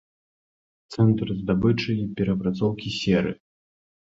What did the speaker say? Цэнтр здабычы і перапрацоўкі серы.